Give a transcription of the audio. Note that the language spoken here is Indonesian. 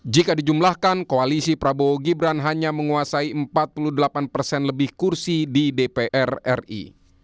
jika dijumlahkan koalisi prabowo gibran hanya menguasai empat puluh delapan persen lebih kursi di dpr ri